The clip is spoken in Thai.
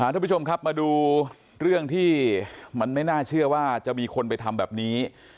ทุกผู้ชมครับมาดูเรื่องที่มันไม่น่าเชื่อว่าจะมีคนไปทำแบบนี้